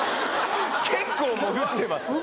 結構潜ってます。